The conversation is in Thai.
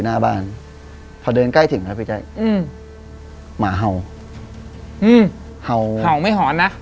นั่นไง